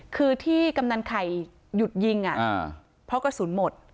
คือที่กำนันไข่หยุดยิงเพราะกระสุนหมด